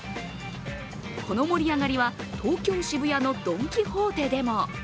この盛り上がりは東京・渋谷のドン・キホーテでも。